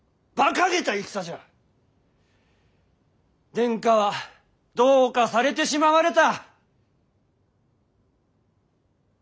殿下はどうかされてしまわれた。